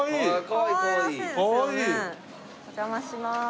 お邪魔しまーす。